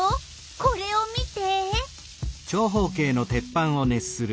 これを見て！